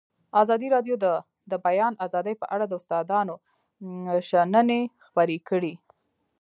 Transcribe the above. ازادي راډیو د د بیان آزادي په اړه د استادانو شننې خپرې کړي.